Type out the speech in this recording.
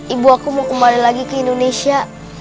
ibu aku mau kembali lagi ke indonesia